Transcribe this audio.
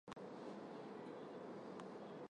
Ավելի ուշ դարձել է խորհրդի անդամ։